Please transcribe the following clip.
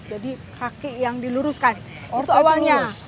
jadi kaki yang diluruskan itu awalnya